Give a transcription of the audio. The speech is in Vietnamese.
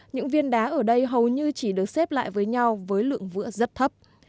những viên đá ở đây hầu như chỉ được xếp lại với nhau với lượng vữa rất thấp